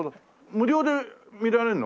無料で見られるの？